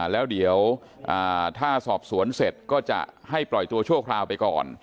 แล้วเดี๋ยวถ้าสอบสวนเสร็จก็จะให้ปล่อยตัวชั่วคราวไปก่อน